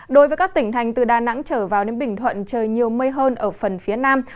đối với các tỉnh thành từ đà nẵng trở vào đến bình thuận trời nhiều mây hơn ở phần phía nam